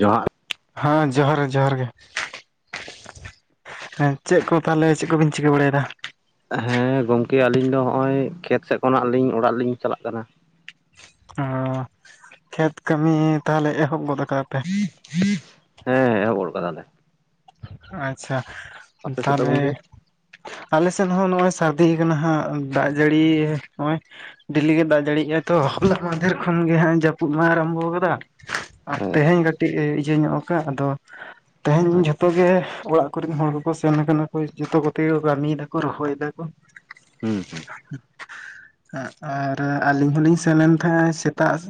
ᱡᱚᱦᱟᱨ᱾ ᱦᱮᱸ ᱡᱚᱦᱟᱨ, ᱡᱚᱦᱟᱨ ᱜᱮ᱾ ᱦᱮᱸ, ᱪᱮᱫ ᱠᱚ ᱛᱟᱦᱞᱮ ᱪᱮᱫ ᱠᱚᱵᱤᱱ ᱪᱤᱠᱟᱹ ᱵᱟᱲᱟᱭᱫᱟ? ᱦᱮᱸ ᱜᱚᱝᱠᱮ ᱟᱹᱞᱤᱧ ᱫᱚ ᱦᱚᱸᱜ-ᱚᱭ ᱠᱷᱮᱛ ᱥᱮᱫ ᱠᱷᱚᱱᱟᱜ ᱞᱤᱧ ᱚᱲᱟᱜ ᱞᱤᱧ ᱪᱟᱞᱟᱜ ᱠᱟᱱᱟ᱾ ᱚᱻ, ᱠᱷᱮᱛ ᱠᱟᱹᱢᱤ ᱛᱟᱦᱞᱮ ᱮᱦᱚᱵ ᱜᱚᱫ ᱠᱟᱜ-ᱟ ᱯᱮ? ᱦᱮᱸ ᱮᱦᱚᱵ ᱜᱚᱫ ᱠᱟᱫᱟ ᱞᱮ᱾ ᱟᱪᱪᱷᱟ, ᱟᱯᱮ ᱥᱮᱫ ᱫᱚ ᱛᱟᱞᱦᱮ ᱜᱚᱢᱠᱮ ᱟᱞ ᱥᱮᱫ ᱦᱚᱸ ᱱᱚᱜ-ᱚᱭ ᱥᱟᱨᱫᱤᱭ ᱠᱟᱱᱟ ᱦᱟᱸᱜ ᱫᱟᱜ ᱡᱟᱹᱲᱤ ᱱᱚᱜ-ᱚᱭ ᱰᱮᱞᱤ ᱜᱮ ᱫᱟᱜ ᱡᱟᱲᱤᱭᱮᱜ-ᱟ ᱛᱚ, ᱦᱚᱞᱟ ᱢᱟᱫᱷᱮᱨ ᱠᱷᱚᱱᱟᱜ ᱜᱮ ᱦᱟᱸᱜ ᱡᱟᱹᱯᱩᱫ ᱢᱟ ᱟᱨᱟᱢᱵᱚᱣ ᱠᱟᱫᱟ᱾ ᱟᱨ ᱦᱮᱸ ᱛᱮᱦᱮᱧ ᱠᱟᱹᱴᱤᱡ ᱤᱭᱟᱹ ᱧᱚᱜ ᱠᱟᱜ-ᱟ ᱟᱫᱚ ᱛᱮᱦᱮᱧ ᱟᱪᱪᱷᱟ ᱡᱷᱚᱛ ᱚᱲᱟᱜ ᱠᱚᱨᱮᱱ ᱦᱚᱲ ᱠᱚᱠᱚ ᱥᱮᱱ ᱟᱠᱟᱱᱟ ᱠᱚ ᱡᱷᱚᱛᱚ ᱠᱚᱛᱮ ᱠᱚ ᱠᱟᱹᱢᱤᱭ ᱫᱟ ᱠᱚ, ᱨᱚᱦᱚᱭ ᱫᱟ ᱠᱚ᱾ ᱦᱩᱸ ᱦᱩᱸ [inaudible] ᱟᱨ ᱟᱹᱞᱤᱧ ᱦᱚᱸᱞᱤᱧ ᱥᱮᱱ ᱞᱮᱱ ᱛᱟᱦᱮᱸᱜ ᱥᱮᱛᱟᱜ᱾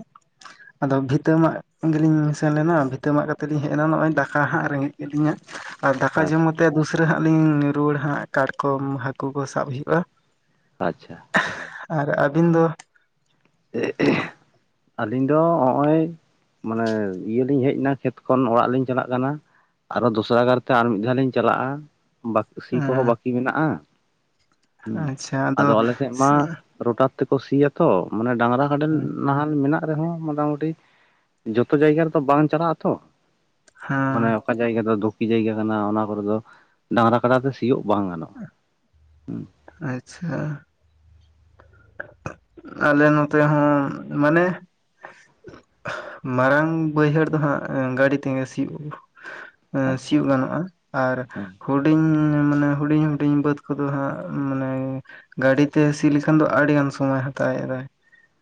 ᱟᱫᱚ ᱵᱷᱤᱛᱟᱹ ᱢᱟᱜ ᱜᱮᱞᱤᱧ ᱥᱮᱱ ᱞᱮᱱᱟ᱾ ᱵᱷᱤᱛᱟᱹ ᱢᱟᱜ ᱠᱟᱛᱮᱫ ᱞᱤᱧ ᱦᱮᱡᱱᱟ ᱱᱚᱜ-ᱚᱭ ᱫᱟᱠᱟ ᱦᱟᱸᱜ ᱨᱮᱸᱜᱮᱡ ᱠᱮᱫ ᱞᱤᱧᱟ᱾ ᱟᱨ ᱫᱟᱠᱟ ᱡᱚᱢ ᱟᱪᱪᱷᱟ ᱠᱟᱛᱮᱫ ᱫᱩᱥᱨᱟᱹ ᱦᱟᱸᱜ ᱞᱤᱧ ᱨᱩᱣᱟᱹᱲ ᱦᱟᱸᱜ, ᱠᱟᱴᱠᱚᱢ ᱦᱟᱹᱠᱩ ᱠᱚ ᱥᱟᱵ ᱦᱩᱭᱩᱜ-ᱟ᱾ ᱟᱪᱪᱷᱟ᱾ ᱟᱨ ᱟᱹᱵᱤᱱ ᱫᱚ? ᱟᱹᱞᱤᱧ ᱫᱚ ᱦᱚᱸᱜ-ᱚᱭ ᱢᱟᱱᱮ ᱤᱭᱟᱹᱞᱤᱧ ᱦᱮᱡᱱᱟ ᱠᱷᱮᱛ ᱠᱷᱚᱱ ᱚᱲᱟᱜ ᱞᱤᱧ ᱪᱟᱞᱟᱜ ᱠᱟᱱᱟ᱾ ᱟᱨᱚ ᱫᱚᱥᱨᱟ ᱜᱟᱨᱛᱮ ᱟᱨ ᱢᱤᱫ ᱫᱷᱟᱣ ᱞᱤᱧ ᱪᱟᱞᱟᱜ-ᱟ, ᱵᱟᱠᱤ ᱥᱤ ᱠᱚᱦᱚᱸ ᱵᱟᱠᱤ ᱢᱮᱱᱟᱜ-ᱟ᱾ ᱦᱩᱸ ᱟᱫᱚ ᱟᱞᱮ ᱥᱮᱡ ᱢᱟ ᱨᱚᱴᱟᱨ ᱛᱮᱠᱚ ᱥᱤᱭᱟ ᱛᱚ ᱢᱟᱱᱮ ᱰᱟᱝᱨᱟ ᱠᱟᱰᱮᱞ ᱦᱮᱸ ᱱᱟᱦᱮᱞ ᱢᱮᱱᱟᱜ ᱟᱨᱮ ᱦᱚᱸ ᱢᱚᱴᱟᱢᱩᱴᱤ ᱡᱷᱚᱛᱚ ᱡᱟᱭᱜᱟ ᱨᱮᱫᱚ ᱵᱟᱝ ᱪᱟᱞᱟᱜ ᱟᱛᱚ ᱢᱟᱱᱮ ᱚᱠᱟ ᱡᱟᱭᱜᱟ ᱫᱚ ᱫᱷᱩᱠᱤ ᱡᱟᱭᱜᱟ ᱠᱟᱱᱟ ᱚᱱᱟ ᱠᱚᱨᱮ ᱫᱚ ᱰᱟᱝᱨᱟ ᱠᱟᱰᱟᱛᱮ ᱥᱤᱭᱳᱜ ᱵᱟᱝ ᱜᱟᱱᱚᱜ-ᱟ ᱦᱩᱸ ᱟᱪᱪᱷᱟ ᱟᱞᱮ ᱱᱚᱛᱮ ᱦᱚᱸ ᱢᱟᱱᱮ ᱢᱟᱨᱟᱝ ᱵᱟᱹᱭᱦᱟᱹᱲ ᱫᱚ ᱦᱟᱸᱜ ᱜᱟᱹᱰᱤ ᱛᱮᱜᱮ ᱥᱤᱭᱳᱜᱼᱟ ᱟᱪᱪᱷᱟ ᱥᱤᱭᱳᱜ ᱜᱟᱱᱚᱜᱼᱟ ᱟᱨ ᱦᱮᱸ ᱦᱩᱰᱤᱧ ᱢᱟᱱᱮ ᱦᱩᱰᱤᱧ ᱦᱩᱰᱤᱧ ᱵᱟᱹᱫ ᱠᱚᱫᱚ ᱦᱟᱸᱜ ᱢᱟᱱᱮ ᱜᱟᱹᱰᱤ ᱛᱮ ᱥᱤ ᱠᱷᱟᱱ ᱫᱚ ᱟᱹᱰᱤ ᱜᱟᱱ ᱥᱚᱢᱚᱭ ᱦᱟᱛᱟᱣᱮᱫᱟᱭ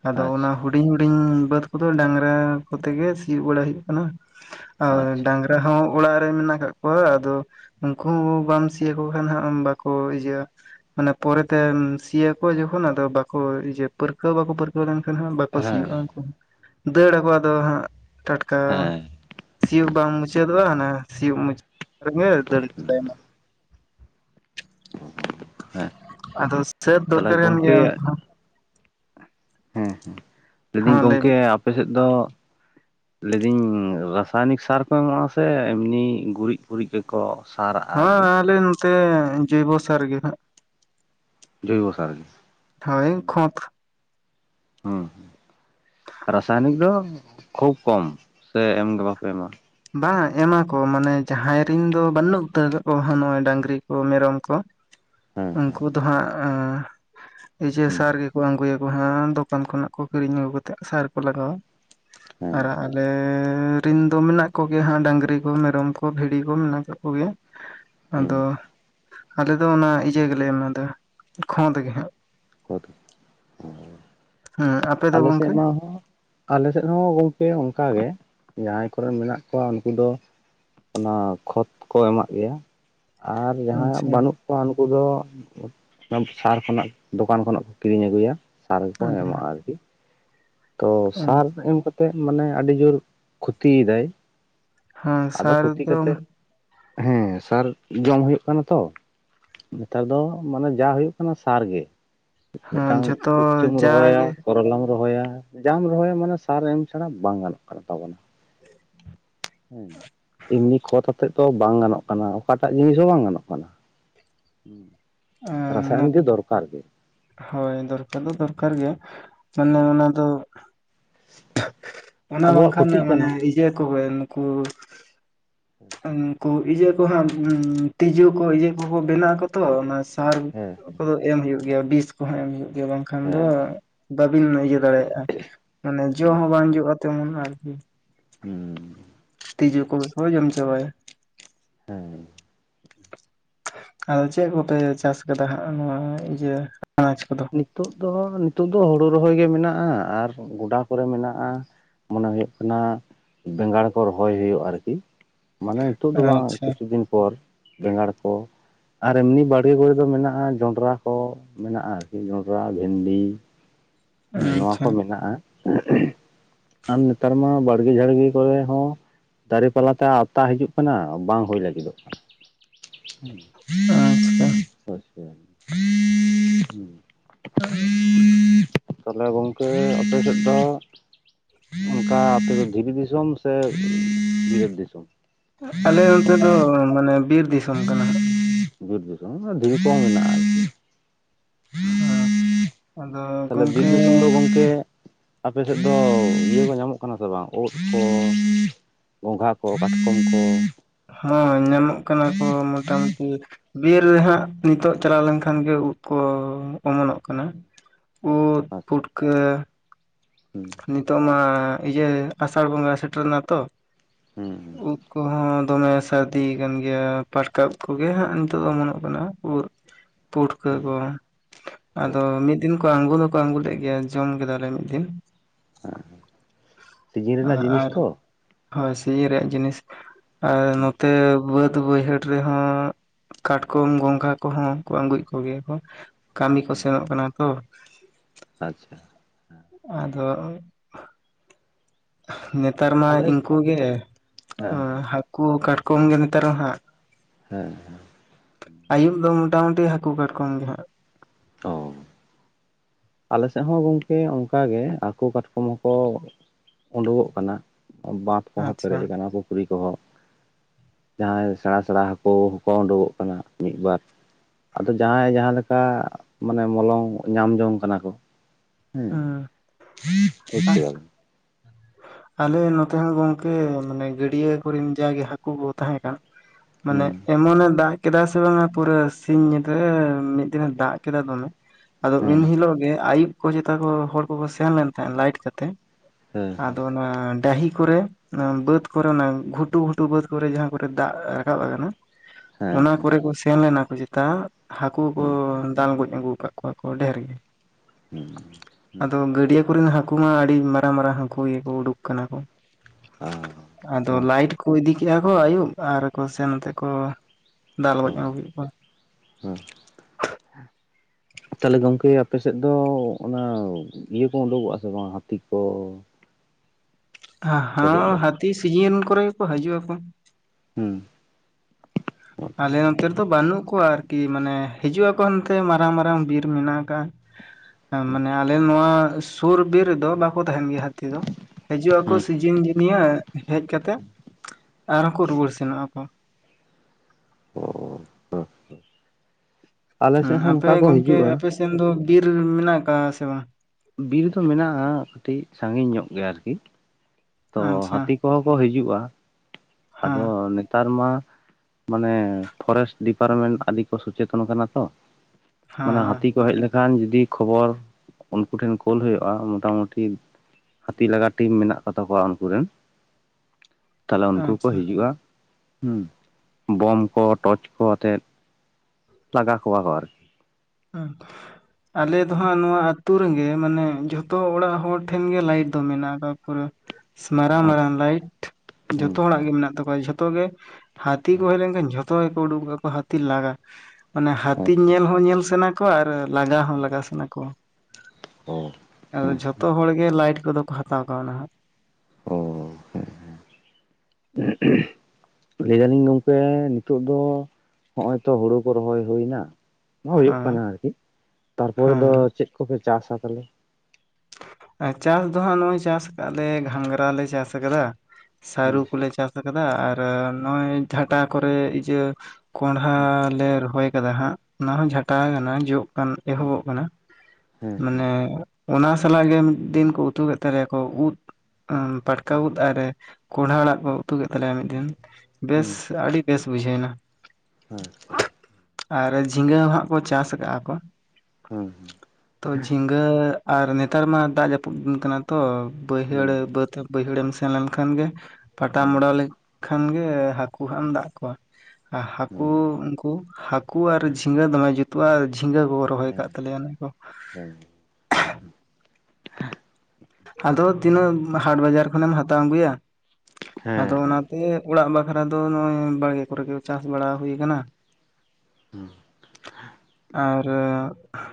ᱟᱫᱚ ᱚᱱᱟ ᱟᱪᱪᱷᱟ ᱦᱩ ᱦᱩᱰᱤᱧ ᱦᱩᱰᱤᱧ ᱵᱟᱹᱫ ᱠᱚᱫᱚ ᱰᱟᱝᱨᱟ ᱠᱚᱛᱮ ᱜᱮ ᱥᱤᱭᱳᱜ ᱵᱟᱲᱟ ᱦᱩᱭᱩᱜ ᱠᱟᱱᱟ᱾ ᱟᱨ ᱟᱪᱪᱷᱟ ᱰᱟᱝᱨᱟ ᱦᱚᱸ ᱚᱲᱟᱜ ᱨᱮ ᱢᱮᱱᱟᱜ ᱠᱮᱫ ᱠᱚᱣᱟ ᱟᱫᱚ ᱩᱱᱠᱩ ᱵᱟᱢ ᱥᱤᱭᱟᱠᱚ ᱠᱷᱟᱱ ᱦᱟᱸᱜ ᱵᱟᱠᱚ ᱤᱭᱟᱹ ᱢᱟᱱᱮ ᱯᱚᱨᱮᱛᱮ ᱥᱤᱭᱟ ᱵᱟᱠᱚ ᱡᱚᱠᱷᱚᱱ ᱟᱫᱚ ᱵᱟᱠᱚ ᱯᱟᱹᱨᱠᱟᱹᱣ ᱵᱟᱠᱚ ᱯᱟᱹᱨᱠᱟᱹᱣ ᱞᱮᱱᱠᱷᱟᱱ ᱵᱟᱠᱚ ᱥᱤᱭᱳᱜᱼᱟ ᱦᱮᱸ ᱩᱱᱠᱩ ᱫᱟᱹᱲ ᱟᱠᱚᱣᱼᱟᱫᱚ ᱦᱟᱸᱜ ᱴᱟᱴᱠᱟ ᱦᱮᱸ ᱥᱤᱭᱳᱜ ᱵᱟᱝ ᱢᱩᱪᱟᱹᱫᱚᱜᱼᱟ ᱥᱤᱭᱳᱜ ᱢᱩᱪᱟᱹᱫ ᱨᱮᱜᱮ ᱫᱟᱲ ᱠᱮᱫ ᱜᱮ ᱦᱮᱸ ᱟᱫᱚ ᱥᱟᱹᱛ ᱛᱟᱦᱚᱞᱮ ᱫᱚᱨᱠᱟᱨ ᱠᱟᱱ ᱜᱚᱝᱠᱮ ᱜᱮᱭᱟ ᱦᱚᱸ ᱦᱮᱸ ᱦᱮᱸ, ᱞᱟᱹᱭ ᱫᱟᱹᱧ ᱦᱚᱸ ᱜᱚᱝᱠᱮ ᱵᱤᱱ ᱟᱯᱮ ᱥᱮᱫ ᱫᱚ ᱞᱟᱹᱭ ᱫᱟᱹᱧ ᱨᱟᱥᱟᱭᱱᱤᱠ ᱥᱟᱨ ᱠᱚ ᱮᱢᱚᱜᱼᱟ ᱥᱮ ᱮᱢᱱᱤ ᱜᱩᱨᱤᱡ ᱜᱩᱨᱤᱡ ᱜᱮᱠᱚ ᱥᱟᱨᱟᱜᱼᱟ ᱟᱨᱠᱤ? ᱡᱳᱭᱵᱚᱥᱟᱨ ᱜᱮ ᱦᱟᱜ ᱡᱳᱭᱵᱚ ᱥᱟᱨ ᱜᱮ ᱦᱳᱭ ᱠᱷᱚᱛ ᱦᱩᱸ ᱨᱟᱥᱟᱭᱚᱱᱤᱠ ᱫᱚ ᱠᱷᱩᱵ ᱠᱚᱢ, ᱥᱮ ᱮᱢ ᱜᱮ ᱵᱟᱯᱮ ᱮᱢᱟᱜᱼᱟ ᱵᱟᱝ ᱮᱢᱟ ᱠᱚ, ᱢᱟᱱᱮ ᱡᱟᱦᱟᱸᱭ ᱨᱤᱱ ᱫᱚ ᱵᱟᱹᱱᱩᱜ [unintelligible] ᱱᱚᱜᱼᱚᱭ ᱰᱟᱝᱨᱤ ᱠᱚ ᱢᱮᱨᱚᱢ ᱠᱚ ᱦᱮᱸ ᱩᱱᱠᱩ ᱫᱚ ᱦᱟᱸᱜ [unintelligible] ᱦᱮᱸ ᱥᱟᱨ ᱜᱮᱠᱚ ᱟᱹᱜᱩᱭᱟᱠᱚ ᱦᱟᱸᱜ ᱫᱚᱠᱟᱱ ᱠᱷᱚᱱᱟᱜ ᱠᱚ ᱠᱤᱨᱤᱧ ᱟᱹᱜᱩ ᱠᱟᱛᱮᱜ ᱥᱟᱨ ᱠᱚ ᱞᱟᱜᱟᱣᱟ᱾ ᱦᱮᱸ ᱟᱨ ᱟᱞᱮ ᱨᱤᱱ ᱫᱚ ᱢᱮᱱᱟᱜ ᱠᱚᱜᱮ ᱦᱟᱸᱜ ᱰᱟᱝᱨᱤ ᱠᱚ ᱢᱮᱨᱚᱢ ᱠᱚ ᱵᱷᱤᱰᱤ ᱠᱚ ᱢᱮᱱᱟᱜ ᱠᱟᱜ ᱠᱚᱜᱮᱭᱟ, ᱦᱮᱸ ᱟᱫᱚ ᱟᱞᱮ ᱫᱚ ᱚᱱᱟ ᱤᱭᱟᱹ ᱜᱮᱞᱮ ᱮᱢᱟᱫᱟ, ᱠᱷᱚᱸᱫᱽ ᱜᱮ ᱦᱟᱸᱜ [unintelligible] ᱦᱮᱸ ᱟᱯᱮ ᱫᱚ ᱟᱞᱮ ᱥᱮᱫ ᱜᱚᱝᱠᱮ ᱢᱟ [unintelligible] ᱟᱞᱮ ᱥᱮᱫ ᱦᱚᱸ ᱜᱚᱝᱠᱮ ᱚᱱᱠ ᱜᱮ, ᱡᱟᱦᱟᱸᱭ ᱠᱚᱨᱮᱱ ᱢᱮᱱᱟᱜ ᱠᱚᱣᱟ ᱩᱱᱠᱩ ᱫᱚ ᱚᱱᱟ ᱠᱷᱚᱛ ᱠᱚ ᱮᱢᱟᱜ ᱜᱮᱭᱟ, ᱟᱨ ᱡᱟᱦᱟᱸᱭᱟᱜ ᱟᱪᱪᱷᱟ ᱵᱟᱹᱱᱩᱜ ᱩᱱᱠᱩ ᱫᱚ ᱥᱟᱨ ᱠᱷᱚᱱᱟᱜ ᱫᱚᱠᱟᱱ ᱠᱷᱚᱱᱟᱜ ᱠᱚ ᱠᱤᱨᱤᱧ ᱟᱹᱜᱩᱭᱟ᱾ ᱥᱟᱨ ᱠᱚ ᱠᱚ ᱮᱢᱟᱜᱼᱟ ᱟᱨᱠᱤ᱾ ᱛᱚ ᱥᱟᱨ ᱮᱢ ᱠᱟᱛᱮᱫ ᱢᱟᱱᱮ ᱟᱹᱰᱤ ᱡᱳᱨ, ᱠᱷᱩᱛᱤᱭ ᱮᱫᱟᱭ᱾ ᱦᱮᱸ ᱟᱫᱚ ᱥᱟᱨ ᱠᱷᱚᱛᱤ ᱫᱚ ᱠᱟᱛᱮᱜ, ᱦᱮᱸ ᱥᱟᱨ ᱡᱚᱢ ᱦᱳᱭᱳᱜ ᱠᱟᱱᱟ ᱛᱚ ᱱᱮᱛᱟᱨ ᱫᱚ ᱢᱟᱱᱮ ᱡᱟ ᱦᱳᱭᱳᱜ ᱠᱟᱱᱟ, ᱥᱟᱨ ᱜᱮ ᱦᱮᱸ ᱢᱤᱫᱴᱟᱝ ᱡᱷᱚᱛᱚ ᱩᱪᱪᱷᱟᱹᱢ ᱨᱚᱦᱚᱭᱟ, ᱡᱟᱜᱮ ᱠᱚᱨᱚᱞᱟᱢ ᱨᱚᱦᱚᱭᱟ ᱡᱟᱢ ᱨᱚᱦᱚᱭᱟ ᱢᱟᱱᱮ ᱥᱟᱨ ᱮᱢ ᱪᱷᱟᱲᱟ ᱵᱟᱝ ᱜᱟᱱᱚᱜ ᱠᱟᱱ ᱛᱟᱵᱚᱱᱟ᱾ [unintelligible] ᱮᱢᱱᱤ ᱠᱷᱚᱛ [unintelligible] ᱛᱚ ᱵᱟᱝ ᱜᱟᱱᱚᱜ ᱠᱟᱱᱟ, ᱚᱠᱟᱴᱟᱜ ᱡᱤᱱᱤᱥ ᱦᱚᱸ ᱵᱟᱝ ᱜᱟᱱᱚᱜ ᱠᱟᱱᱟ᱾ ᱨᱟᱥᱟᱭᱚᱱᱤᱠ ᱜᱮ ᱫᱚᱨᱠᱟᱨ ᱜᱮ᱾ ᱦᱳᱭ, ᱫᱚᱨᱠᱟᱨ ᱫᱚ ᱫᱚᱨᱠᱟᱨ ᱜᱮ, ᱢᱟᱱᱮ ᱦᱩᱸ ᱚᱱᱟ ᱫᱚ ᱚᱱᱟ ᱟᱵᱚᱣᱟᱜ ᱵᱟᱝᱠᱷᱟᱱ ᱠᱷᱚᱛᱤᱜ ᱢᱟᱱᱮ ᱠᱟᱱᱟ ᱤᱡᱟᱹ ᱠᱚᱜᱮ ᱱᱩᱠᱩ [inaudible] ᱩᱱᱠᱩ ᱤᱭᱟᱹ ᱠᱚ ᱦᱟᱸᱜ ᱩᱸ ᱛᱤᱡᱩ ᱠᱩ ᱤᱭᱟᱹ ᱠᱩᱠᱩ ᱵᱮᱱᱟᱜ ᱟᱠᱚ ᱛᱚ ᱚᱱᱟ ᱥᱟᱨ ᱦᱮᱸ ᱠᱚᱫᱚ ᱮᱢ ᱦᱩᱭᱩᱜ ᱜᱮᱭᱟ, ᱵᱤᱥ ᱠᱚᱦᱚᱸ ᱮᱢ ᱦᱩᱭᱩᱜ ᱜᱮᱭᱟ᱾ ᱵᱟᱝᱠᱷᱟᱱ ᱫᱚ ᱦᱮᱸ ᱵᱟᱹᱵᱤᱱ ᱤᱭᱟᱹ ᱫᱟᱲᱮᱭᱟᱜ-ᱟ, ᱢᱟᱱᱮ ᱡᱚ ᱦᱚᱸ ᱵᱟᱝ ᱡᱚᱜ-ᱟ ᱛᱮᱢᱚᱱ ᱟᱨᱠᱤ᱾ ᱦᱩᱸ ᱛᱤᱡᱳ ᱠᱚᱜᱮ ᱠᱚ ᱡᱚᱢ ᱪᱟᱵᱟᱭᱟ᱾ [unintelligible] ᱟᱫᱚ ᱪᱮᱫ ᱠᱚᱯᱮ ᱪᱟᱥ ᱠᱟᱫᱟ ᱦᱟᱸᱜ ᱱᱚᱣᱟ ᱤᱡᱟᱹ ᱟᱱᱟᱡ ᱠᱚᱫᱚ? ᱱᱤᱛᱚᱜ ᱫᱚ ᱱᱤᱛᱚᱜ ᱫᱚ ᱦᱳᱲᱳ ᱨᱚᱦᱚᱭ ᱜᱮ ᱢᱮᱱᱟᱜ-ᱟ ᱟᱨ ᱜᱚᱰᱟ ᱠᱚᱨᱮ ᱢᱮᱱᱟᱜ-ᱟ᱾ ᱢᱚᱱᱮ ᱦᱳᱭᱳᱜ ᱠᱟᱱᱟ᱾ ᱵᱮᱸᱜᱟᱲ ᱠᱚ ᱨᱚᱦᱚᱭ ᱦᱳᱭᱳᱜ-ᱟ ᱟᱨᱠᱤ, ᱢᱟᱱᱮ ᱱᱤᱛᱚᱜ ᱫᱚ ᱵᱟᱝ ᱟᱪᱪᱷᱟ ᱠᱤᱪᱷᱩ ᱫᱤᱱ ᱯᱚᱨ᱾ ᱵᱮᱸᱜᱟᱲ ᱠᱚ, ᱟᱨ ᱮᱢᱱᱤ ᱵᱟᱲᱜᱮ ᱠᱚᱨᱮ ᱫᱚ ᱢᱮᱱᱟᱜ-ᱟ ᱡᱚᱱᱰᱨᱟ ᱠᱚ, ᱢᱮᱱᱟᱜ-ᱟ ᱡᱚᱱᱰᱨᱟ, ᱵᱷᱮᱱᱰᱤ, ᱦᱮᱸ ᱱᱚᱣᱟ ᱟᱪᱪᱷᱟ ᱠᱚ ᱢᱮᱱᱟᱜ-ᱟ᱾ [inaudible] ᱟᱨ ᱱᱮᱛᱟᱨ ᱢᱟ ᱵᱟᱲᱜᱮ ᱡᱷᱟᱲᱜᱮ ᱠᱚᱨᱮ ᱦᱚᱸ ᱫᱟᱨᱮ ᱯᱟᱞᱟᱛᱮ ᱟᱣᱛᱟ ᱦᱤᱡᱩᱜ ᱠᱟᱱᱟ, ᱵᱟᱝ ᱦᱳᱭ ᱞᱟᱹᱜᱤᱫ-ᱚᱜ ᱠᱟᱱᱟ᱾ ᱦᱩᱸ ᱟᱪᱪᱷᱟ, [inaudible] [unintelligible] ᱛᱟᱦᱚᱞᱮ ᱜᱚᱝᱠᱮ ᱟᱯᱮ ᱥᱮᱫ ᱫᱚ᱾ ᱚᱱᱠᱟ ᱟᱯᱮ ᱫᱚ ᱫᱷᱤᱨᱤ ᱫᱤᱥᱚᱢ ᱥᱮ ᱵᱤᱞᱟᱹᱛ ᱫᱤᱥᱚᱢ᱾ ᱟᱞᱮ ᱱᱚᱛᱮ ᱫᱚ ᱢᱟᱱᱮ ᱵᱤᱨ ᱫᱤᱥᱚᱢ ᱠᱟᱱᱟ ᱦᱟᱸᱜ᱾ ᱵᱤᱨ ᱫᱤᱥᱚᱢ ᱫᱷᱤᱨᱤ ᱠᱚᱦᱚᱸ ᱢᱮᱱᱟᱜ-ᱟ ᱟᱨᱠᱤ᱾ ᱦᱟᱸᱜ ᱦᱮᱸ ᱟᱫᱚ ᱛᱟᱦᱚᱞᱮ ᱵᱤᱨ ᱫᱤᱥᱚᱢ ᱜᱚᱝᱠᱮ ᱫᱚ ᱜᱚᱝᱠᱮ ᱟᱯᱮ ᱥᱮᱫ ᱫᱚ ᱤᱭᱟᱹ ᱠᱚ ᱧᱟᱢᱚᱜ ᱠᱟᱱᱟ ᱥᱮ ᱵᱟᱝ ᱳᱫ ᱠᱚ᱾ ᱜᱚᱸᱜᱷᱟ ᱠᱚ ᱠᱟᱴᱠᱚᱢ ᱠᱚ᱾ ᱦᱚᱸ ᱧᱟᱢᱚᱜ ᱠᱟᱱᱟ ᱠᱚ ᱢᱚᱴᱟ ᱢᱩᱴᱤ᱾ ᱵᱤᱨ ᱨᱮ ᱦᱟᱸᱜ ᱱᱤᱛᱚᱜ ᱪᱟᱞᱟᱣ ᱞᱮᱱᱠᱷᱟᱱ ᱜᱮ ᱩᱫ ᱠᱚ ᱚᱢᱚᱱᱚᱜ ᱠᱟᱱᱟ᱾ ᱩᱫ, ᱟᱪᱪᱷᱟ ᱯᱷᱩᱴᱠᱟᱹ᱾ ᱦᱩᱸ ᱱᱤᱛᱚᱜ ᱢᱟ ᱤᱭᱟᱹ ᱟᱥᱟᱲ ᱵᱚᱸᱜᱟ ᱥᱮᱴᱮᱨᱱᱟ ᱛᱚ᱾ ᱦᱩᱸ ᱩᱫ ᱠᱚᱦᱚᱸ ᱫᱚᱢᱮ ᱥᱟᱹᱨᱫᱤ ᱠᱟᱱ ᱜᱮᱭᱟ ᱯᱟᱴᱠᱟ ᱩᱫ ᱠᱚᱜᱮ ᱦᱟᱸᱜ ᱱᱤᱛᱚᱜ ᱫᱚ ᱚᱢᱚᱱᱚᱜ ᱠᱟᱱᱟ᱾ ᱯᱩᱨ ᱯᱩᱴᱠᱟᱹ ᱦᱩᱸ ᱠᱚ ᱦᱩᱸ ᱟᱫᱚ ᱢᱤᱫ ᱫᱤᱱ᱾ ᱟᱝᱜᱩ ᱫᱚᱠᱚ ᱟᱝᱜᱩ ᱞᱮᱫ ᱜᱮᱭᱟ ᱡᱚᱢ ᱠᱮᱫᱟᱞᱮ ᱢᱤᱫ ᱫᱤᱱ᱾ ᱥᱤᱡᱤᱱ ᱨᱮᱱᱟᱜ ᱡᱤᱱᱤᱥ ᱟᱨ ᱛᱚ ᱦᱳᱭ ᱥᱤᱭᱤ ᱨᱮᱭᱟᱜ ᱡᱤᱱᱤᱥ ᱟᱨ ᱱᱚᱛᱮ ᱵᱟᱹᱫ, ᱵᱟᱹᱭᱦᱟᱹᱲ ᱴᱨᱮᱦᱚᱸ ᱠᱟᱴᱠᱚᱢ, ᱜᱚᱝᱜᱷᱟ ᱠᱚᱦᱚᱸ ᱠᱚ ᱟᱜᱩᱭᱮᱫ ᱠᱚᱜᱮᱭᱟ ᱠᱚ᱾ ᱠᱟᱹᱢᱤ ᱠᱚ ᱥᱮᱱᱚᱜ ᱠᱟᱱᱟ ᱛᱚ᱾ ᱟᱪᱪᱷᱟ, ᱟᱫᱚ ᱱᱮᱛᱟᱨ ᱢᱟ ᱟᱞᱮ ᱤᱝᱠᱩ ᱜᱮ ᱦᱮᱸ ᱦᱟᱹᱠᱩ, ᱠᱟᱴᱠᱚᱢ ᱜᱮ ᱱᱮᱛᱟᱨ ᱦᱟᱸᱜ᱾ ᱦᱮᱸ ᱦᱮᱸ ᱟᱭᱩᱵ ᱫᱚ ᱢᱚᱴᱟᱢᱩᱴᱤ ᱦᱟᱹᱠᱩ ᱠᱟᱴᱠᱚᱢ ᱜᱮ ᱦᱟᱸᱜ᱾ ᱚ᱾ ᱟᱞᱮ ᱥᱮᱫ ᱦᱚᱸ ᱜᱚᱝᱠᱮ ᱚᱱᱠᱟ ᱜᱮ ᱦᱟᱠᱩ ᱠᱟᱴᱠᱚᱢ ᱦᱚᱸᱠᱚ ᱩᱰᱩᱜᱚᱜ ᱠᱟᱱᱟ, ᱵᱟᱸᱫᱷ ᱠᱚᱦᱚᱸ ᱟᱪᱪᱷᱟ ᱯᱮᱨᱮᱡ ᱟᱠᱟᱱᱟ, ᱯᱩᱠᱷᱨᱤ ᱠᱚᱦᱚᱸ᱾ ᱡᱟᱦᱟᱸᱭ ᱥᱮᱬᱟ ᱥᱮᱬᱟ ᱦᱟᱹᱠᱩ ᱦᱚᱸᱠᱚ ᱩᱰᱩᱠᱚᱜ ᱠᱟᱱᱟ ᱢᱤᱫ-ᱵᱟᱨ᱾ ᱟᱫᱚ ᱡᱟᱦᱟᱸᱭ ᱡᱟᱦᱟᱸ ᱞᱮᱠᱟ ᱢᱟᱱᱮ ᱢᱚᱞᱚᱝ ᱧᱟᱢ ᱡᱚᱝ ᱠᱟᱱᱟᱠᱚ ᱦᱩᱸ, ᱵᱩᱪ ᱠᱮᱫᱟ ᱵᱮᱱ᱾ ᱟᱞᱮ ᱱᱚᱛᱮ ᱦᱚᱸ ᱜᱚᱝᱠᱮ ᱢᱟᱱᱮ ᱜᱟᱹᱰᱭᱟᱹ ᱠᱚᱨᱮᱱ ᱡᱟᱜᱮ ᱦᱟᱹᱠᱩ ᱠᱚ ᱛᱟᱦᱮᱸ ᱠᱟᱱ ᱢᱟᱱᱮ ᱦᱩᱸ ᱮᱢᱚᱱᱮ ᱫᱟᱜ ᱠᱮᱫᱟ ᱥᱮ ᱵᱟᱝᱟ ᱯᱩᱨᱟᱹ ᱥᱤᱧ ᱧᱤᱫ ᱢᱤᱫ ᱫᱤᱱᱮ ᱫᱟᱜ ᱠᱮᱫᱟ ᱫᱚᱢᱮ᱾ ᱟᱫᱚ ᱦᱮᱸ ᱮᱱᱦᱤᱞᱚᱜ ᱜᱮ ᱟᱭᱩᱵ ᱠᱚ ᱡᱮᱛᱟ ᱠᱚ ᱦᱚᱲ ᱠᱚᱠᱚ ᱥᱮᱱ ᱞᱮᱱ ᱛᱟᱦᱮᱸᱫ ᱞᱟᱭᱤᱴ ᱠᱟᱛᱮ᱾ ᱦᱮᱸ᱾ ᱦᱮᱸ ᱟᱫᱚ ᱱᱚᱣᱟ ᱰᱟᱹᱦᱤ ᱠᱚᱨᱮ᱾ ᱚᱱᱟ ᱵᱟᱹᱫᱽ ᱠᱚᱨᱮ ᱚᱱᱟ ᱜᱷᱩᱴᱩ ᱜᱷᱩᱴᱩ ᱵᱟᱹᱫ ᱠᱚᱨᱮ ᱡᱟᱦᱟᱸ ᱠᱚᱨᱮ ᱫᱟᱜ ᱨᱟᱠᱟᱵ ᱟᱠᱟᱱᱟ ᱦᱮᱸ ᱚᱱᱟ ᱠᱚᱨᱮ ᱠᱚ ᱥᱮᱱ ᱞᱱᱟ ᱪᱮᱛᱟ ᱦᱟᱹᱠᱩ ᱠᱚ ᱦᱩᱸ ᱫᱟᱞ ᱜᱚᱡ ᱟᱹᱜᱩ ᱠᱟᱜ ᱠᱚᱣᱟ ᱠᱚ ᱰᱷᱮᱨ ᱜᱮ᱾ ᱦᱩᱸ ᱦᱩᱸ ᱟᱫᱚ ᱜᱟᱹᱰᱭᱟᱹ ᱠᱚᱨᱮᱱ ᱦᱟᱹᱠᱩ ᱢᱟ ᱟᱹᱰᱤ ᱢᱟᱨᱟᱝ ᱢᱟᱨᱟᱝ ᱦᱟᱹᱠᱩ᱾ ᱳᱭᱮ ᱠᱚ ᱩᱰᱩᱠ ᱠᱟᱱᱟ ᱠᱚ᱾ ᱚ᱾ ᱟᱫᱚ ᱞᱟᱭᱤᱴ ᱠᱚ ᱤᱫᱤ ᱠᱮᱫ-ᱟ ᱠᱚ ᱟᱹᱭᱩᱵ ᱟᱨ ᱠᱚ ᱟᱛᱮᱜ ᱠᱚ ᱫᱟᱞ ᱚ ᱜᱚᱡ ᱟᱜᱩ ᱠᱮᱫ ᱠᱚᱣᱟ᱾ [inaudible] [inaudible] ᱛᱟᱞᱦᱮ ᱜᱚᱝᱠᱮ ᱟᱯᱮ ᱥᱮᱫ ᱫᱚ ᱚᱱᱟ ᱤᱭᱟᱹ ᱠᱚ ᱩᱰᱩᱠᱚᱜ-ᱟ ᱥᱮ ᱵᱟᱝ ᱦᱟᱹᱛᱤ ᱠᱚ᱾ ᱦᱟ ᱟᱯᱮ ᱥᱮᱫ ᱦᱟᱸ ᱫᱚ ᱦᱟᱹᱛᱤ ᱥᱤᱡᱤᱱ ᱠᱚᱨᱮ ᱜᱮᱠᱚ ᱦᱤᱡᱩᱜ ᱟᱠᱚ᱾ ᱦᱩᱸ᱾ ᱟᱞᱮ ᱚᱱᱛᱮ ᱨᱮᱫᱚ ᱵᱟᱹᱱᱩᱜ ᱠᱚᱣᱟ ᱟᱨᱠᱤ ᱢᱟᱱᱮ ᱦᱤᱡᱩᱜ ᱟᱠᱚ ᱦᱟᱱᱛᱮ ᱢᱟ ᱢᱟᱨᱟᱝ ᱢᱟᱨᱟᱝ ᱵᱤᱨ ᱢᱮᱱᱟᱜ ᱟᱠᱟᱜ-ᱟ ᱢᱟᱱᱮ ᱟᱞᱮ ᱱᱚᱶᱟ ᱥᱩᱨ ᱵᱤᱨ ᱨᱮᱫᱚ ᱵᱟᱠᱚ ᱛᱟᱦᱮᱱ ᱜᱮᱭᱟ ᱦᱟᱹᱛᱤ ᱫᱚ᱾ ᱦᱤᱡᱩᱜ ᱟᱠᱚ ᱦᱩᱸ ᱥᱤᱡᱤᱱ ᱡᱤᱱᱤᱭᱟᱹ᱾ ᱦᱮᱡ ᱠᱟᱛᱮᱫ ᱟᱨᱦᱚᱸ ᱠᱚ ᱨᱩᱣᱟᱹᱲ ᱥᱮᱱᱚᱜ-ᱟ ᱠᱚ᱾ ᱚ ᱟᱞᱮ ᱦᱮᱸ ᱥᱮᱫ ᱦᱚᱸ ᱟᱯᱮ ᱚᱱᱠᱟ ᱠᱚ ᱜᱚᱝᱠᱮ ᱦᱤᱡᱩᱜᱼᱟ ᱟᱯᱮᱥᱮᱱ ᱫᱚ ᱵᱤᱨ ᱢᱮᱱᱟᱜ ᱠᱟᱜ-ᱟ ᱥᱮ ᱵᱟᱝ? ᱵᱤᱨ ᱫᱚ ᱢᱮᱱᱟᱜ-ᱟ ᱠᱟᱴᱤᱡ ᱥᱟᱺᱜᱤᱧ ᱧᱚᱜ ᱜᱮᱭᱟ ᱟᱨᱠᱤ ᱛᱚ ᱟᱪᱪᱷᱟ ᱦᱟᱸᱛᱤ ᱠᱚᱦᱚᱸ ᱠᱚ ᱦᱤᱡᱩᱜ-ᱟ ᱟᱫᱚ ᱦᱮᱸ ᱚᱱᱮ ᱱᱮᱛᱟᱨ ᱢᱟ ᱢᱟᱱᱮ ᱯᱷᱚᱨᱮᱥᱴ ᱰᱤᱯᱟᱨᱢᱮᱱᱴ ᱟᱰᱤ ᱠᱚ ᱥᱚᱪᱮᱛᱚᱱ ᱠᱟᱱᱟ ᱛᱚ᱾ ᱦᱮᱸ ᱢᱟᱱᱮ ᱦᱟᱹᱛᱤ ᱦᱮᱸ ᱠᱚ ᱦᱮᱡ ᱞᱮᱠᱷᱟᱱ ᱡᱩᱫᱤ ᱠᱷᱚᱵᱚᱨ ᱩᱱᱠᱩ ᱴᱷᱮᱱ ᱠᱳᱞ ᱦᱩᱭᱩᱜ-ᱟ ᱢᱚᱴᱟ-ᱢᱩᱴᱤ ᱦᱟᱹᱛᱤ ᱞᱟᱜᱟ ᱴᱤᱢ ᱢᱮᱱᱟᱜ ᱠᱟᱛᱟ ᱠᱚᱣᱟ ᱩᱱᱠᱩ ᱨᱮᱱ, ᱛᱟᱞᱦᱮ ᱩᱱᱠᱩ ᱠᱚ ᱟᱪᱪᱷᱟ ᱦᱤᱡᱩᱜ-ᱟ᱾ ᱦᱩᱸ᱾ ᱵᱚᱢ ᱠᱚ, ᱴᱚᱨᱪ ᱠᱚ ᱟᱛᱮᱫ᱾ ᱞᱟᱜᱟ ᱠᱚᱣᱟ ᱠᱚ ᱟᱨᱠᱤ᱾ ᱦᱩᱸ ᱟᱞᱮ ᱫᱚ ᱦᱟᱸᱜ ᱱᱚᱣᱟ ᱟᱛ ᱛᱩ ᱨᱮᱜᱮ ᱢᱟᱱᱮ ᱡᱷᱚᱛᱚ ᱚᱲᱟᱜ ᱦᱚᱲ ᱴᱷᱮᱱ ᱜᱮ ᱞᱟᱭᱤᱴ ᱫᱚ ᱢᱮᱱᱟᱜ ᱠᱟᱜ-ᱟ ᱯᱩᱨᱟᱹ᱾ ᱢᱟᱨᱟᱝ ᱢᱟᱨᱟᱝ ᱟᱪᱪᱷᱟ ᱞᱟᱭᱤᱴ ᱦᱩᱸ ᱡᱚᱛᱚ ᱦᱚᱲᱟᱜ ᱜᱮ ᱢᱮᱱᱟᱜ ᱛᱟᱠᱚᱣᱟ ᱡᱷᱚᱛᱚ ᱜᱮ ᱦᱟᱹᱛᱤ ᱠᱚ ᱦᱮᱡ ᱞᱮᱱᱠᱷᱟᱱ ᱡᱷᱚᱛᱚ ᱜᱮᱠᱚ ᱩᱰᱩᱠᱚᱜ ᱜᱟᱫᱚ-ᱟᱠᱚ ᱦᱟᱹᱛᱤ ᱞᱟᱜᱟ᱾ ᱢᱟᱱᱮ ᱦᱟᱹᱛᱤ ᱟᱪᱪᱷᱟ ᱧᱮᱞ ᱦᱚᱸ ᱧᱮᱞ ᱥᱟᱱᱟ ᱠᱚᱣᱟ ᱟᱨ ᱞᱟᱜᱟ ᱦᱚᱸ ᱞᱟᱜᱟ ᱥᱟᱱᱟ ᱠᱚᱣᱟ᱾ ᱚ ᱟᱫᱚ ᱦᱩᱸ ᱡᱷᱚᱛᱚ ᱦᱚᱲ ᱜᱮ ᱞᱟᱭᱤᱴ ᱠᱚᱫᱚ ᱠᱚ ᱦᱟᱛᱟᱣ ᱠᱟᱣᱱᱟ ᱦᱟᱸᱜ᱾ ᱚ [inaudible] [inaudible] ᱞᱟᱹᱭ ᱫᱟᱞᱤᱧ ᱜᱚᱝᱠᱮ ᱱᱤᱛᱳᱜ ᱫᱚ ᱦᱚᱜ-ᱚᱭ ᱛᱚ ᱦᱳᱲᱩ ᱠᱚ ᱨᱚᱦᱚᱭ ᱦᱩᱭ ᱮᱱᱟ᱾ ᱢᱟ ᱦᱩᱭᱩᱜ ᱦᱮᱸ ᱠᱟᱱᱟ ᱟᱨᱠᱤ᱾ ᱛᱟᱨᱯᱚᱨᱮ ᱫᱚ ᱦᱮᱸ ᱪᱮᱫ ᱠᱚᱯᱮ ᱪᱟᱥᱟ ᱛᱟᱞᱦᱮ? ᱟ ᱪᱟᱥ ᱫᱚ ᱦᱟᱸᱜ ᱱᱚᱜ-ᱚᱭ ᱪᱟᱥ ᱠᱟᱜ-ᱟ ᱞᱮ ᱜᱷᱟᱸᱜᱽᱨᱟ ᱞᱮ ᱪᱟᱥ ᱠᱟᱫᱟ, ᱦᱩᱸ ᱥᱟᱹᱨᱩ ᱠᱚᱞᱮ ᱪᱟᱥ ᱠᱟᱫᱟ ᱟᱨ ᱱᱚᱜ-ᱚᱭ ᱡᱷᱟᱴᱟ ᱠᱚᱨᱮ ᱤᱭᱟᱹ ᱠᱚᱸᱰᱷᱟ ᱦᱩᱸ ᱞᱮ ᱨᱚᱦᱚᱭ ᱠᱟᱫᱟ ᱦᱟᱸᱜ᱾ ᱚᱱᱟ ᱦᱚᱸ ᱡᱷᱟᱴᱟᱣ ᱠᱟᱱᱟ ᱡᱚᱜ ᱠᱟᱱ ᱦᱩᱸ ᱮᱦᱚᱵᱚᱜ ᱠᱟᱱᱟ ᱦᱮᱸ ᱢᱟᱱᱮ ᱚᱱᱟ ᱥᱟᱞᱟᱜ ᱜᱮ ᱢᱤᱫ ᱫᱤᱱ ᱠᱚ ᱩᱛᱩ ᱠᱮᱫ ᱛᱟᱞᱮᱭᱟᱠᱚ᱾ ᱩᱫᱽ ᱯᱟᱴᱠᱟ ᱦᱮᱸ ᱩᱫᱽ ᱟᱨ ᱠᱚᱸᱰᱷᱟ ᱟᱲᱟᱜ ᱠᱚ ᱩᱛᱩ ᱠᱮᱫ ᱛᱟᱞᱮᱭᱟ ᱢᱤᱫ ᱫᱤᱱ᱾ ᱦᱮᱸ ᱵᱮᱥ ᱦᱩᱸ ᱟᱹᱰᱤ ᱵᱮᱥ ᱵᱩᱡᱷᱟᱹᱣᱱᱟ᱾ ᱦᱩᱸ ᱟᱪᱪᱷᱟ᱾ ᱟᱨ ᱡᱷᱤᱸᱜᱟᱹ ᱦᱚᱸ ᱦᱟᱸᱜ ᱠᱚ ᱪᱟᱥ ᱠᱟ-ᱟ ᱠᱚ᱾ ᱦᱩᱸ ᱛᱚ ᱡᱷᱤᱸᱜᱟᱹ ᱟᱨ ᱱᱮᱛᱟᱨ ᱢᱟ ᱫᱟᱜ ᱡᱟᱹᱯᱩᱫ ᱫᱤᱱ ᱠᱟᱱᱟ ᱛᱚ ᱵᱟᱹᱭᱦᱟᱹᱲ ᱦᱩᱸ ᱵᱟᱹᱫ ᱵᱟᱹᱭᱦᱟᱹᱲᱮᱢ ᱥᱮᱱ ᱞᱮᱱᱠᱷᱟᱱ ᱜᱮ ᱯᱟᱴᱟᱢ ᱦᱩᱸ ᱚᱰᱟᱣ ᱞᱮᱠᱷᱟᱱ ᱜᱮ ᱦᱟᱹᱠᱩ ᱦᱟᱸᱜ ᱮᱢ ᱫᱟᱜ ᱠᱚᱣᱟ᱾ ᱟᱨ ᱦᱟᱹᱠᱩ ᱦᱩᱸ ᱩᱱᱠᱩ ᱦᱟᱹᱠᱩ ᱟᱨ ᱡᱷᱤᱸᱜᱟᱹ ᱫᱚᱢᱮ ᱡᱩᱛᱩᱜ-ᱟ ᱟᱨ ᱡᱷᱤᱸᱜᱟᱹ ᱠᱚ ᱨᱚᱦᱚᱭ ᱦᱮᱸ ᱦᱮᱸ ᱠᱟᱫ ᱛᱟᱞᱮᱭᱟ ᱚᱱᱮ ᱠᱚ᱾ ᱟᱫᱚ ᱛᱤᱱᱟᱹᱜ ᱦᱟᱴ ᱵᱟᱡᱟᱨ ᱠᱷᱚᱱᱮᱢ ᱦᱟᱛᱟᱣ ᱟᱹᱜᱩᱭᱟ᱾ ᱦᱮᱸ ᱟᱫᱚ ᱚᱱᱟ ᱦᱮᱸ ᱛᱮ ᱚᱲᱟᱜ ᱵᱟᱠᱷᱨᱟ ᱫᱚ ᱱᱚᱜ-ᱚᱭ ᱵᱟᱲᱜᱮ ᱠᱚᱨᱮ ᱜᱮ ᱪᱟᱥ ᱵᱟᱲᱟ ᱦᱩᱭ ᱠᱟᱱᱟ᱾ ᱦᱩᱸ᱾ [inaudible] ᱟᱨ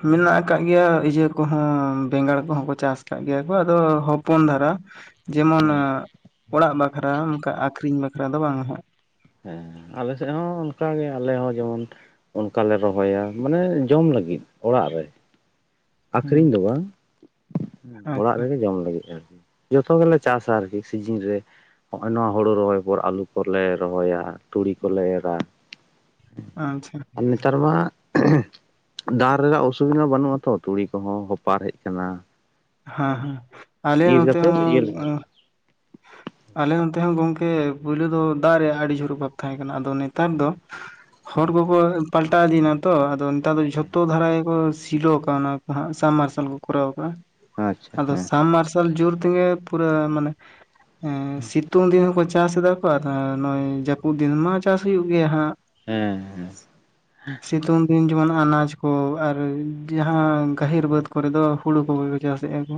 ᱢᱮᱱᱟᱜ ᱟᱠᱟᱫ ᱜᱮᱭᱟ ᱤᱭᱟᱹ ᱠᱚᱦᱚᱸ, ᱵᱮᱸᱜᱟᱲ ᱠᱚᱦᱚᱸ ᱠᱚ ᱪᱟᱥ ᱟᱠᱟᱫ ᱜᱮᱭᱟ᱾ ᱜᱚ ᱫᱚ ᱦᱚᱯᱚᱱ ᱫᱷᱟᱨᱟ ᱡᱮᱢᱚᱱᱟ ᱦᱩᱸ ᱚᱲᱟᱜ ᱵᱟᱠᱷᱨᱟ ᱚᱱᱠᱟ ᱟᱠᱷᱨᱤᱧ ᱵᱟᱠᱷᱨᱟ ᱫᱚ ᱵᱟᱝᱟ ᱦᱟᱸᱜ᱾ ᱦᱮᱸ ᱟᱞᱮ ᱥᱮᱫ ᱦᱚᱸ ᱚᱱᱠᱟᱜᱮ ᱟᱞᱮ ᱦᱚᱸ ᱡᱮᱢᱚᱱ ᱚᱱᱠᱟ ᱞᱮ ᱨᱚᱦᱚᱭᱟ ᱢᱟᱱᱮ ᱡᱚᱢ ᱞᱟᱹᱜᱤᱫ ᱚᱲᱟᱜ ᱨᱮ᱾ ᱦᱩᱸ ᱟᱠᱷᱨᱤᱧ ᱫᱚ ᱵᱟᱝ᱾ ᱦᱩᱸ᱾ ᱚᱲᱟᱜ ᱟᱪᱪᱷᱟ ᱨᱮᱜᱮ ᱡᱚᱢ ᱞᱟᱹᱜᱤᱫ ᱟᱨᱠᱤ᱾ ᱡᱚᱛᱚ ᱜᱮᱞᱮ ᱪᱟᱥᱟ ᱟᱨᱠᱤ ᱥᱤᱡᱤᱱ ᱨᱮ᱾ ᱦᱚᱸᱜᱼᱚᱭ ᱱᱚᱣᱟ ᱦᱩᱲᱩ ᱨᱚᱦᱚᱭ ᱯᱚᱨ ᱟᱹᱞᱩ ᱠᱚᱞᱮ ᱨᱚᱦᱚᱭᱟ, ᱛᱩᱲᱤ ᱠᱚᱞᱮ ᱮᱨᱟ᱾ ᱟᱪᱪᱷᱟ ᱟᱨ ᱱᱮᱛᱟᱨ ᱢᱟ ᱫᱟᱜ ᱨᱮᱱᱟᱜ ᱚᱥᱩᱵᱤᱫᱟ ᱵᱟᱹᱱᱩᱜ ᱟᱛᱚ᱾ ᱛᱩᱲᱤ ᱠᱚᱦᱚᱸ ᱦᱚᱯᱟᱨ ᱦᱮᱡ ᱠᱟᱱᱟ᱾ ᱦᱮᱸ ᱦᱮᱸ᱾ ᱟᱞᱮ ᱱᱚᱛᱮ ᱠᱟᱛᱮᱫ ᱤᱭᱟᱹ ᱦᱚᱸ ᱞᱮᱠᱷᱟᱱ ᱟᱞᱮ ᱱᱚᱛᱮ ᱦᱚᱸ ᱜᱚᱝᱠᱮ ᱯᱳᱭᱞᱳ ᱫᱚ ᱫᱟᱜ ᱨᱮᱭᱟᱜ ᱟᱹᱰᱤ ᱡᱷᱳᱨ ᱚᱵᱷᱟᱵᱽ ᱛᱟᱦᱮᱸ ᱠᱟᱱᱟ ᱟᱫᱚ ᱱᱮᱛᱟᱨ ᱫᱚ ᱦᱚᱲ ᱠᱚᱠᱚ ᱯᱟᱞᱴᱟᱣ ᱤᱫᱤᱭᱱᱟᱛᱚ ᱟᱫᱚ ᱱᱮᱛᱟᱨ ᱫᱚ ᱡᱷᱚᱛᱚ ᱫᱷᱟᱨᱟ ᱜᱮᱠᱚ ᱥᱤᱞᱚ ᱠᱟᱣᱱᱟᱠᱚ ᱦᱟᱸᱜ ᱥᱟᱢᱢᱟᱨᱥᱟᱞ ᱠᱚ ᱠᱚᱨᱟᱣ ᱠᱟᱜ-ᱟ ᱟᱪᱪᱷᱟ ᱟᱫᱚ ᱦᱮᱸ ᱥᱟᱢᱢᱟᱨᱥ ᱛᱚᱞ ᱡᱩᱨᱛᱮᱜᱮ ᱯᱩᱨᱟᱹ ᱢᱟᱱᱮ ᱦᱮᱸ ᱥᱤᱛᱩᱝ ᱫᱤᱱ ᱦᱚᱸᱠᱚ ᱪᱟᱥ ᱮᱫᱟ ᱠᱚ ᱟᱨ ᱱᱚᱜ-ᱚᱭ ᱡᱟᱹᱯᱩᱫ ᱫᱤᱱ ᱢᱟ ᱪᱟᱥ ᱦᱩᱭᱩᱜ ᱜᱮᱭᱟ ᱦᱟᱸᱜ᱾ ᱦᱮᱸ ᱦᱮᱸ᱾ ᱥᱤᱛᱩᱝ ᱫᱤᱱ ᱡᱮᱢᱚᱱ ᱟᱱᱟᱡ ᱠᱚ ᱟᱨ ᱡᱟᱦᱟᱸ ᱜᱟᱹᱦᱤᱨ ᱵᱟᱹᱫᱽ ᱠᱚᱨᱮ ᱫᱚ ᱦᱩᱲᱩ ᱠᱚᱜᱮ ᱠᱚ ᱪᱟᱥᱮᱜ-ᱟ ᱠᱚ᱾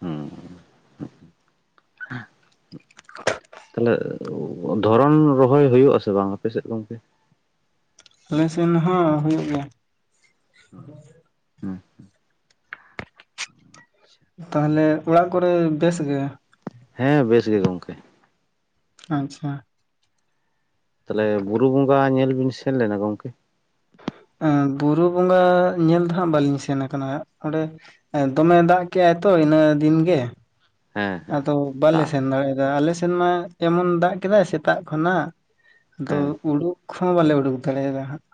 [unintelligible] ᱛᱟᱦᱞᱮ ᱫᱷᱚᱨᱚᱱ ᱨᱚᱦᱚᱭ ᱦᱩᱭᱩᱜ ᱟᱥᱮ ᱵᱟᱝ ᱟᱯᱮᱥᱮᱫ ᱜᱚᱝᱠᱮ? ᱟᱞᱮ ᱥᱮᱱ ᱦᱚᱸ ᱦᱩᱭᱩᱜ ᱜᱮᱭᱟ᱾ ᱦᱮᱸ ᱛᱟᱦᱚᱞᱮ ᱚᱲᱟᱜ ᱠᱚᱨᱮ ᱵᱮᱥ ᱜᱮ? ᱦᱮᱸ ᱵᱮᱥ ᱜᱮ ᱜᱚᱢᱠᱮ᱾ ᱟᱪᱪᱷᱟ᱾ ᱛᱟᱦᱚᱞᱮ ᱵᱩᱨᱩ ᱵᱚᱸᱜᱟ ᱧᱮᱞ ᱵᱤᱱ ᱥᱮᱱ ᱞᱮᱱᱟ ᱜᱚᱝᱠᱮ.? ᱮᱸ ᱵᱩᱨᱩ ᱵᱚᱸᱜᱟ ᱧᱮᱞ ᱫᱚ ᱦᱟᱸᱜ ᱵᱟᱹᱞᱤᱧ ᱥᱮᱱ ᱟᱠᱟᱱᱟ, ᱚᱸᱰᱮ ᱫᱚᱢᱮ ᱫᱟᱜ ᱠᱮᱜ-ᱟᱭ ᱛᱚ ᱤᱱᱟᱹ ᱫᱤᱱ ᱜᱮ᱾ ᱦᱮᱸ ᱦᱮᱸ ᱟᱫᱚ ᱵᱟᱞᱮ ᱫᱟᱜ ᱥᱮᱱ ᱠᱟᱫᱟ ᱫᱟᱲᱮᱭᱟᱫᱟ ᱟᱞᱮ ᱥᱮᱱ ᱢᱟ ᱮᱢᱚᱱ ᱫᱟᱜ ᱠᱮᱫᱟᱭ ᱥᱮᱛᱟᱜ ᱠᱷᱚᱱᱟᱜ᱾ ᱟᱫᱚ ᱦᱮᱸ ᱩᱰᱩᱠ ᱦᱚᱸ ᱵᱟᱞᱮ ᱩᱰᱩᱠ ᱫᱟᱲᱮᱭᱟᱫᱟ ᱦᱟᱸᱜ᱾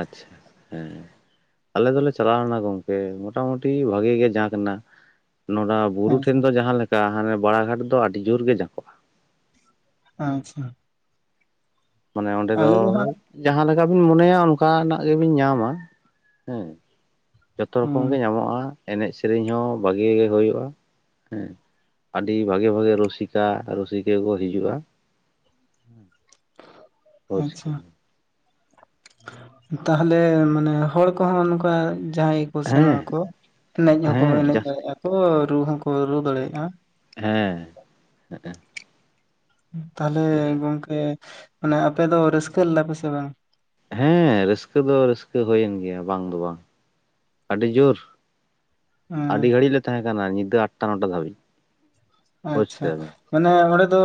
ᱟᱪᱪᱷᱟ ᱦᱮᱸ᱾ ᱟᱞᱮ ᱫᱚᱞᱮ ᱪᱟᱞᱟᱣᱞᱮᱱᱟ ᱜᱚᱝᱠᱮ ᱢᱚᱴᱟᱢᱩᱴᱤ ᱵᱷᱟᱜᱮ ᱜᱮ ᱡᱟᱸᱠ ᱱᱟ ᱱᱚᱱᱟ᱾ ᱵᱩᱨᱩ ᱟᱪᱪᱷᱟ ᱴᱷᱮᱱ ᱫᱚ ᱡᱟᱦᱟᱸ ᱞᱮᱠᱟ ᱦᱟᱱᱮ ᱵᱟᱲᱟ ᱜᱷᱟᱴ ᱫᱚ ᱟᱹᱰᱤ ᱡᱳᱨᱜᱮ ᱡᱷᱟᱠᱚᱜᱼᱟ᱾ ᱟᱪᱪᱷᱟ᱾ ᱢᱟᱱᱮ ᱚᱸᱰᱮ ᱫᱚ ᱟᱞᱮ ᱦᱟᱸᱜ ᱡᱟᱦᱟᱸ ᱞᱮᱠᱟ ᱵᱤᱱ ᱢᱚᱱᱮᱭᱟ ᱚᱱᱠᱟᱱᱟᱜ ᱜᱮᱵᱤᱱ ᱧᱟᱢᱟ ᱦᱮᱸ᱾ ᱡᱚᱛᱚ ᱨᱚᱠᱚᱢ ᱜᱮ ᱦᱩᱸ ᱧᱟᱢᱚᱜᱼᱟ ᱮᱱᱮᱡ ᱥᱮᱨᱮᱧ ᱦᱚᱸ ᱵᱷᱟᱜᱮ ᱜᱮ ᱦᱩᱭᱩᱜᱼᱟ ᱦᱮᱸ᱾ ᱟᱹᱰᱤ ᱵᱷᱟᱜᱮ ᱵᱷᱟᱜᱮ ᱨᱩᱥᱤᱠᱟ ᱨᱩᱥᱤᱠᱤᱭᱟᱹ ᱠᱚ ᱦᱤᱡᱩᱜᱼᱟ᱾ ᱯᱚᱪ ᱟᱪᱪᱷᱟ ᱠᱮᱫᱟ᱾ ᱛᱟᱦᱚᱞᱮ ᱢᱟᱱᱮ ᱦᱚᱲ ᱠᱚᱦᱚᱸ ᱱᱚᱝᱠᱟ ᱡᱟᱦᱟᱸᱭ ᱠᱚ ᱥᱮᱱᱚᱜ ᱦᱮᱸ ᱟᱠᱚ ᱮᱱᱮᱡ ᱦᱚᱸᱠᱚ ᱦᱮᱸ ᱮᱱᱮᱡ ᱡᱟᱹᱥᱛᱤ ᱫᱟᱲᱮᱭᱟᱜᱼᱟ ᱠᱚ ᱨᱩ ᱦᱚᱸᱠᱚ ᱨᱩ ᱫᱟᱲᱮᱭᱟᱜᱼᱟ᱾ ᱦᱮᱸ ᱛᱟᱦᱚᱞᱮ ᱜᱚᱝᱠᱮ ᱢᱟᱱᱮ ᱟᱯᱮ ᱫᱚ ᱨᱟᱹᱥᱠᱟᱹ ᱞᱮᱫᱟ ᱯᱮ ᱥᱮ ᱵᱟᱝ? ᱦᱮᱸ ᱨᱟᱹᱥᱠᱟᱹ ᱫᱚ ᱨᱟᱹᱥᱠᱟᱹ ᱦᱩᱭᱮᱱ ᱜᱮᱭᱟ ᱵᱟᱝ ᱫᱚ ᱵᱟᱝ ᱟᱹᱰᱤ ᱡᱳᱨ᱾ ᱦᱮᱸ ᱟᱹᱰᱤ ᱜᱷᱟᱹᱲᱤᱡ ᱞᱮ ᱛᱟᱦᱮᱸ ᱠᱟᱱᱟ ᱧᱤᱫᱟᱹ ᱟᱴᱴᱟ ᱱᱚᱴᱟ ᱫᱷᱟᱹᱵᱤᱡᱽ᱾ ᱟᱪᱪᱷᱟ ᱢᱟᱱᱮ ᱚᱸᱰᱮ ᱫᱚ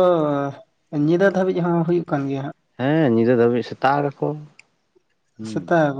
ᱧᱤᱫᱟᱹ ᱫᱷᱟᱹᱵᱤᱡ ᱦᱚᱸ ᱦᱩᱭᱩᱜ ᱠᱟᱱ ᱜᱮᱭᱟ ᱦᱟᱸᱜ᱾ ᱦᱮᱸ ᱧᱤᱫᱟᱹ ᱫᱷᱟᱹᱵᱤᱡ ᱥᱮᱛᱟᱜ ᱜᱟᱠᱚ᱾ ᱥᱮᱛᱟᱜ ᱜᱟᱠᱚ᱾